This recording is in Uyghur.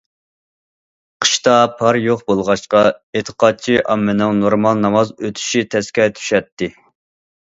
قىشتا پار يوق بولغاچقا، ئېتىقادچى ئاممىنىڭ نورمال ناماز ئۆتۈشى تەسكە چۈشەتتى.